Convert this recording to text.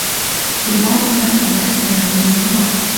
如果你想同我一齊就要忍我